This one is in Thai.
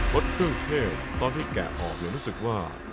รสเครื่องเทพตอนที่แกะออกยังรู้สึกว่า